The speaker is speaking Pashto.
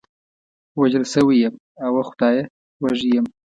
وژل شوی یم، اوه خدایه، وږی یم.